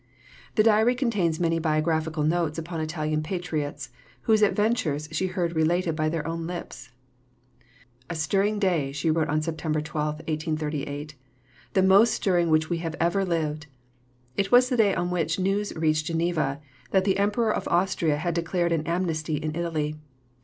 The diary contains many biographical notes upon Italian patriots, whose adventures she heard related by their own lips. "A stirring day," she wrote on September 12 (1838), "the most stirring which we have ever lived." It was the day on which the news reached Geneva that the Emperor of Austria had declared an amnesty in Italy.